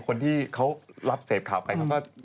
คนที่เขารับเสพข่าวไปเขาก็